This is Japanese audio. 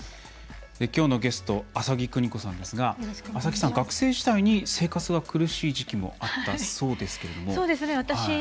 きょうのゲスト麻木久仁子さんですが麻木さん、学生時代に生活が苦しい時期もあったそうですけども。